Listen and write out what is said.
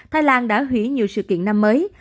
thái lan đã hủy nhiều sự kiện năm mới